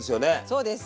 そうです。